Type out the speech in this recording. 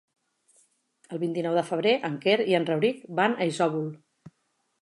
El vint-i-nou de febrer en Quer i en Rauric van a Isòvol.